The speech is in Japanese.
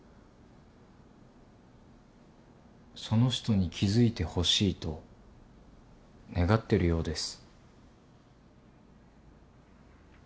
その人に気付いてほしいと願ってるようです。